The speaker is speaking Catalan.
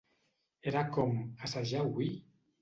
Era com "Assajar avui?"